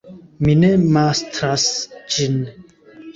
Mi ne mastras ĝin.